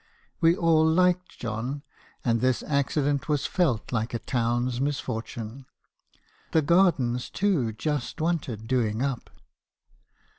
We all liked John, and this accident was felt like a town's misfortune. The gardens, too, just wanted doing up.